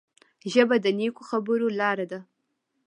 ژبه د نیکو خبرو لاره ده